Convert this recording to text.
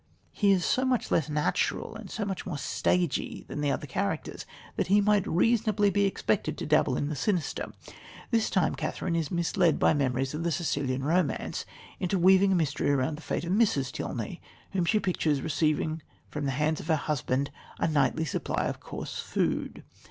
He is so much less natural and so much more stagey than the other characters that he might reasonably be expected to dabble in the sinister. This time Catherine is misled by memories of the Sicilian Romance into weaving a mystery around the fate of Mrs. Tilney, whom she pictures receiving from the hands of her husband a nightly supply of coarse food.